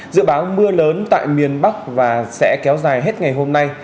dự báo mưa lớn tại miền bắc và sẽ kéo dài hết ngày hôm nay